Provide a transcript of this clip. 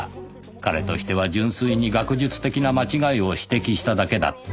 “彼”としては純粋に学術的な間違いを指摘しただけだった